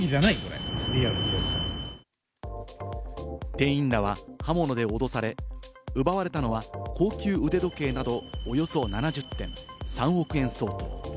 店員らは刃物で脅され、奪われたのは、高級腕時計などおよそ７０点、３億円相当。